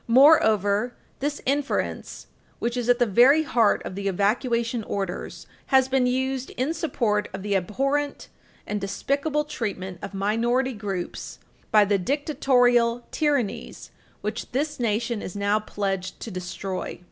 Moreover, this inference, which is at the very heart of the evacuation orders, has been used in support of the abhorrent and despicable treatment of minority groups by the dictatorial tyrannies which this nation is now pledged to destroy.